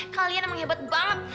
kalian emang hebat banget